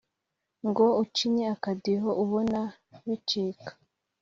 ngo ucinye akadiho ubona bicika?